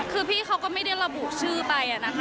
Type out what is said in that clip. คือพี่เขาก็ไม่ได้ระบุชื่อไปนะคะ